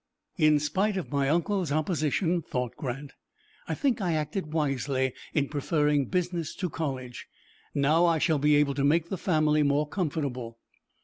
"In spite of my uncle's opposition," thought Grant, "I think I acted wisely in preferring business to college. Now I shall be able to make the family more comfortable."